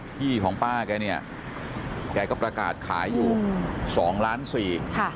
ที่ของป้าแกเนี่ยแกก็ประกาศขายอยู่สองล้านสี่ค่ะ